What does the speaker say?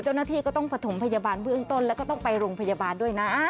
เจ้าหน้าที่ก็ต้องประถมพยาบาลเบื้องต้นแล้วก็ต้องไปโรงพยาบาลด้วยนะ